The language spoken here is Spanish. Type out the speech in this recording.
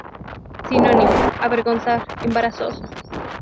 Sinónimo: avergonzar, embarazoso.